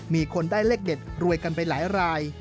มีคนได้เลขเด็ดรวยกันไปหลายราย